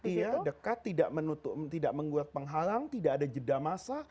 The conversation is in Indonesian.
iya dekat tidak mengutuk tidak menguat penghalang tidak ada jeda masa